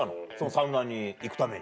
サウナに行くために。